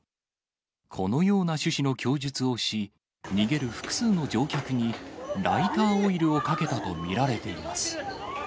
このような趣旨の供述をし、逃げる複数の乗客にライターオイルをかけたと見られています。